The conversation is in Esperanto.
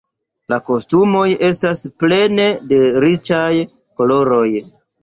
La kostumoj estas plene de riĉaj koloroj.